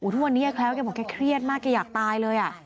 ทุกวันเงียกแล้วเขาบอกแค่เครียดมากแกอยากตายเลยอ่ะ